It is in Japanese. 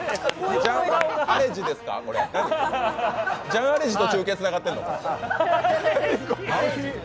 ジャン・アレジと中継つながってんの？